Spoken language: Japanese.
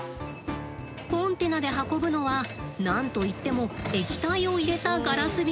コンテナで運ぶのは何といっても液体を入れたガラス瓶。